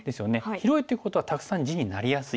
広いということはたくさん地になりやすい。